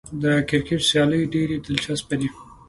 د کرکټ سیالۍ ډېرې دلچسپې دي.